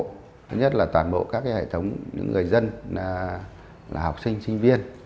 thứ nhất là toàn bộ các hệ thống những người dân là học sinh sinh viên